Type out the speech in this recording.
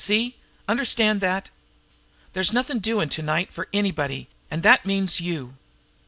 See? Understand that? There's nothing doin' to night for anybody and that means you!"